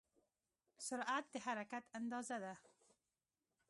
سرعت د حرکت اندازه ده.